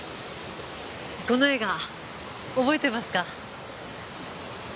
この映画覚えてますか？